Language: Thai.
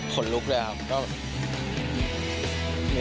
คนลุกเลยครับ